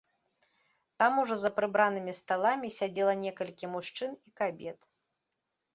Там ужо за прыбранымі сталамі сядзела некалькі мужчын і кабет.